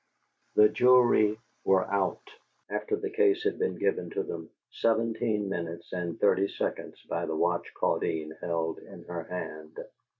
The jury were "out," after the case had been given to them, seventeen minutes and thirty seconds by the watch Claudine held in her hand.